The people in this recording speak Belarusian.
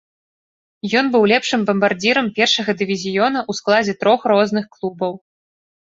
Ён быў лепшым бамбардзірам першага дывізіёна ў складзе трох розных клубаў.